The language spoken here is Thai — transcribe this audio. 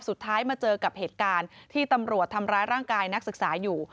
สุดท้ายมาเจอกับเหตุการณ์ที่ตำรวจทำร้ายร่างกายนักศึกษาอยู่